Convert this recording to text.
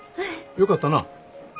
よかった？